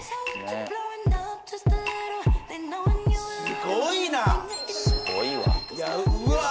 すごいな！